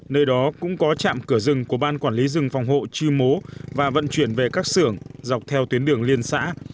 nơi đó cũng có trạm cửa rừng của ban quản lý rừng phòng hộ chư mố và vận chuyển về các xưởng dọc theo tuyến đường liên xã